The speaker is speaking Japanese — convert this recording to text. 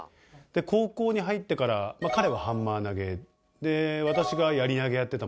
高校に入ってから彼はハンマー投げ私がやり投げやってたものですから。